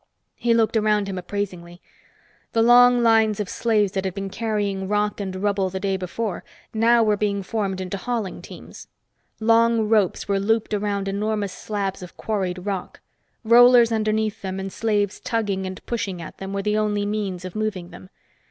He looked around him appraisingly. The long lines of slaves that had been carrying rock and rubble the day before now were being formed into hauling teams. Long ropes were looped around enormous slabs of quarried rock. Rollers underneath them and slaves tugging and pushing at them were the only means of moving them.